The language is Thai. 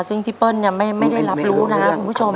ซึ่งพี่เปิ้ลไม่ได้รับรู้นะคุณผู้ชม